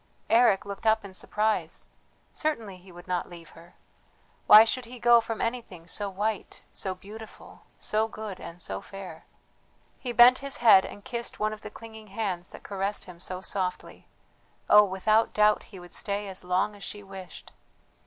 Eric looked up in surprise; certainly he would not leave her! Why should he go from anything so white, so beautiful, so good, and so fair. He bent his head and kissed one of the clinging hands that caressed him so softly; oh, without doubt he would stay as long as she wished!